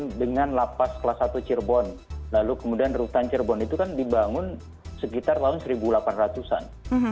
kemudian dengan lapas kelas satu cirebon lalu kemudian rutan cirebon itu kan dibangun sekitar tahun seribu delapan ratus an